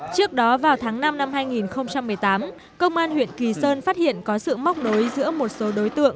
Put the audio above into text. trước đó vào tháng năm năm hai nghìn một mươi tám công an huyện kỳ sơn phát hiện có sự móc nối giữa một số đối tượng